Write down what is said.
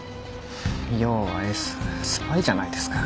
要はエススパイじゃないですか。